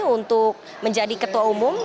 untuk menjadi ketua umum